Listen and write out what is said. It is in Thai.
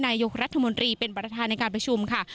นายกรัฐมนตรีเป็นประธานในการประชุมค่ะ